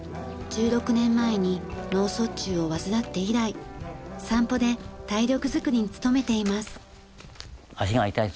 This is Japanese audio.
１６年前に脳卒中を患って以来散歩で体力づくりに努めています。